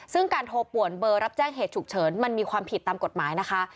ซึ่งการโทรป่วนเบอร์รับแจ้งเหตุฉุกเฉินมันมีความผิดตามกฎหมายนะคะ